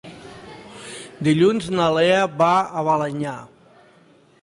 Dilluns na Lea va a Balenyà.